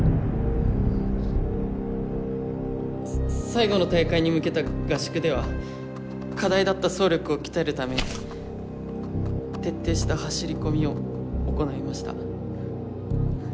さ最後の大会に向けた合宿では課題だった走力を鍛えるため徹底した走り込みを行いました。